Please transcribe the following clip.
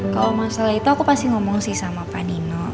kalau masalah itu aku pasti ngomong sih sama panino